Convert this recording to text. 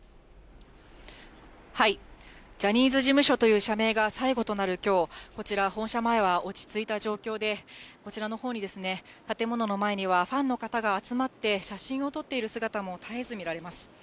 ジャニーズ事務所という社名が最後となるきょう、こちら、本社前は落ち着いた状況で、こちらのほうに建物の前には、ファンの方が集まって、写真を撮っている姿も絶えず見られます。